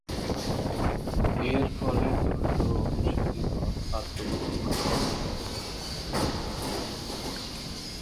এর ফলে দ্রুজ অনুসারীগণ আত্মগোপন করে।